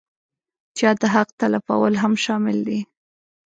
چا د حق تلفول هم شامل دي.